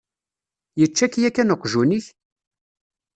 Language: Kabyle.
Yečča-k yakan uqjun-ik?